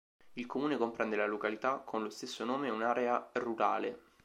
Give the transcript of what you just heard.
Il comune comprende la località con lo stesso nome e un'area rurale.